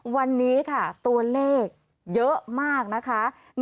วันนี้ค่ะตัวเลขเยอะมากนะคะ